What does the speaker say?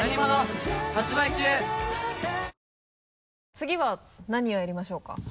次は何をやりましょうか？